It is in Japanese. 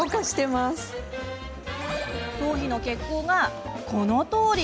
頭皮の血行が、このとおり。